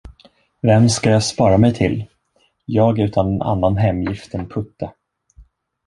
Vem skall jag spara mig till, jag utan annan hemgift än Putte?